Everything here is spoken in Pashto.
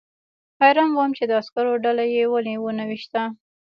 حیران وم چې د عسکرو ډله یې ولې ونه ویشته